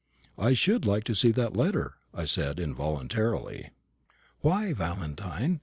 "I should like to see that letter," I said, involuntarily. "Why, Valentine?"